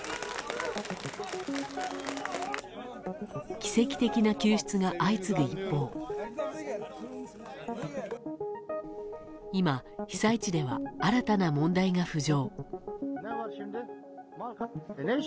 奇跡的な救出が相次ぐ一方今、被災地では新たな問題が浮上。